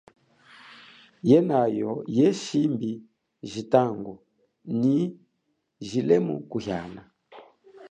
Yenayo ye shimbi jitangu nyi jilemu kuhiana.